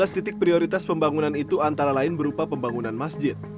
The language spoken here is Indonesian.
tiga belas titik prioritas pembangunan itu antara lain berupa pembangunan masjid